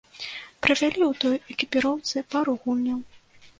Правялі ў той экіпіроўцы пару гульняў.